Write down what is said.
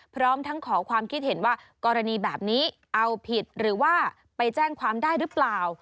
พร้อมทั้งขอความคิดเห็นว่ากรณีแบบนี้เอาผิดหรือว่าไปแจ้งความได้หรือเปล่า